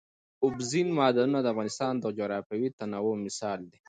اوبزین معدنونه د افغانستان د جغرافیوي تنوع مثال دی.